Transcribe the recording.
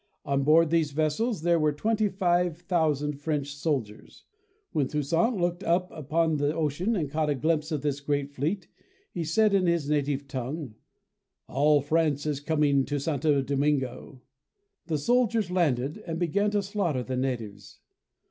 On board these vessels there were twenty five thousand French soldiers. When Toussaint looked out upon the ocean and caught a glimpse of this great fleet, he said in his native tongue, "All France is coming to Santo Domingo". The soldiers landed and be gan to slaughter the natives.